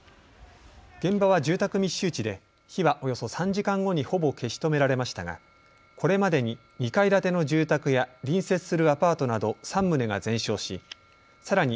現場は住宅密集地で火はおよそ３時間後にほぼ消し止められましたがこれまでに２階建ての住宅や隣接するアパートなど３棟が全焼しさらに